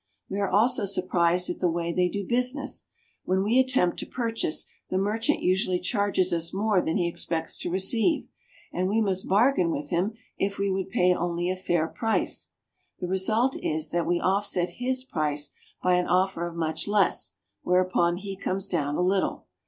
We are also surprised at the way they do business. When we attempt to purchase, the merchant usually charges us more than he expects to receive, and we must bargain with him if we would pay only a fair price. The result is that we offset his price by an offer of much less, whereupon he comes down a little.